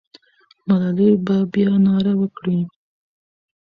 ملالۍ به بیا ناره وکړي.